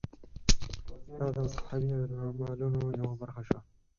دا د مذهبي عملونو یوه برخه شوه.